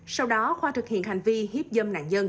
sau đó khoa thực hiện hành vi hiếp dâm